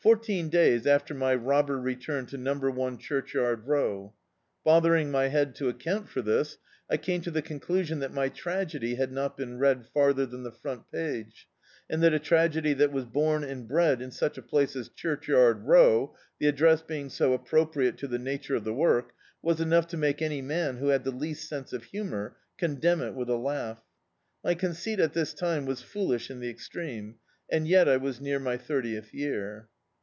Fourteen days after my robber re turned to number one Churchyard Row. Bother ing my head to account for this, I came to the con clusion that my tragedy had not been read farther than die front page, and that a tragedy that was bora and bred in such a place as Churchyard Row — the address being so appropriate to the nature of the work — ^was enough to make any man, who had the least sense of humour, condemn it with a laugh. My conceit, at this time, was foolish in the extreme, and yet I was near my thirtieth year.